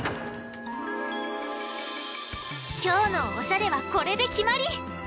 きょうのおしゃれはこれできまり！